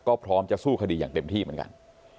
ก็พร้อมจะสู้คดีอย่างเต็มที่เหมือนกัน